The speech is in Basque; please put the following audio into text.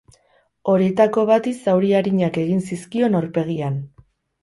Horietako bati zauri arinak egin zizkion aurpegian.